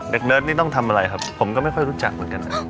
เนิร์ดนี่ต้องทำอะไรครับผมก็ไม่ค่อยรู้จักเหมือนกันนะครับ